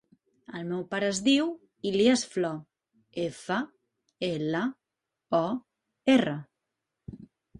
El meu pare es diu Ilyas Flor: efa, ela, o, erra.